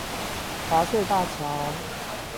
華翠大橋